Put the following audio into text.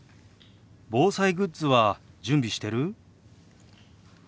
防災グッズは準備してる？